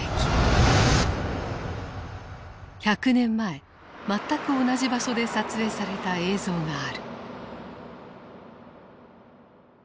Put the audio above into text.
１００年前全く同じ場所で撮影された映像がある。